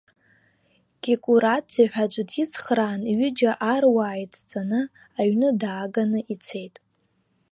Кекураӡе ҳәа аӡә дицхраан, ҩыџьа аруаа ицҵаны, аҩны дааганы, ицеит.